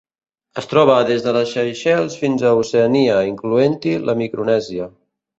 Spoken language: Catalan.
Es troba des de les Seychelles fins a Oceania, incloent-hi la Micronèsia.